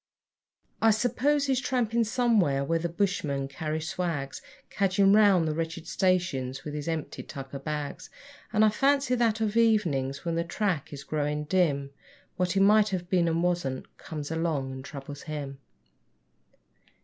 ..... I suppose he's tramping somewhere where the bushmen carry swags, Cadging round the wretched stations with his empty tucker bags; And I fancy that of evenings, when the track is growing dim, What he 'might have been and wasn't' comes along and troubles him.